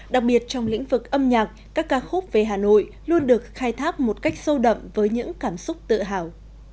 đặc biệt trong lĩnh vực âm nhạc các ca khúc về hà nội luôn được khai tháp một cách sâu đậm với những cảm xúc tự hào